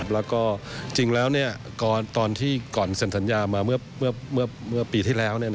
แล้วก็จริงแล้วตอนที่ก่อนเซ็นสัญญามาเมื่อปีที่แล้ว